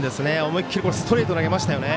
思い切りストレート投げましたよね。